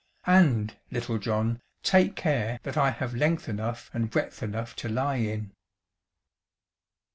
And, Little John, take care that I have length enough and breadth enough to lie in."